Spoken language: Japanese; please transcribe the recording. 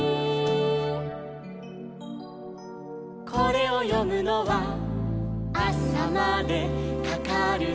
「これをよむのはあさまでかかるね」